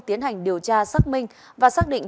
tiến hành điều tra xác minh và xác định